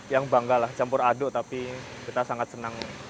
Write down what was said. yang bangga lah campur aduk tapi kita sangat senang